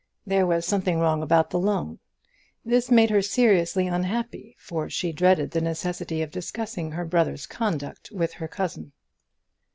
There was something wrong about the loan. This made her seriously unhappy, for she dreaded the necessity of discussing her brother's conduct with her cousin.